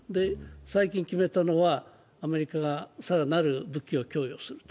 最近決めたのは、アメリカがさらなる武器を供与すると。